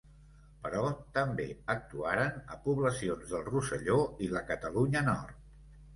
Però també actuaren a poblacions del Rosselló i la Catalunya Nord.